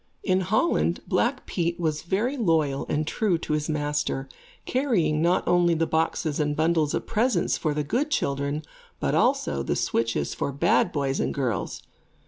In Holland, Black Pete was very loyal and true to his master, carrying not only the boxes and bundles of presents for the good children, but also the switches for bad boys and girls.